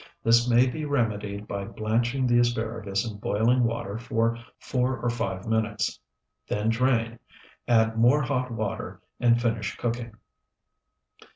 This may be remedied by blanching the asparagus in boiling water for four or five minutes. Then drain, and add more hot water, and finish cooking.